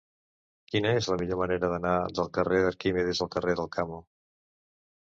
Quina és la millor manera d'anar del carrer d'Arquímedes al carrer d'Alcamo?